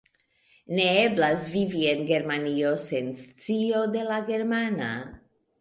Ne eblas vivi en Germanio sen scio de la germana!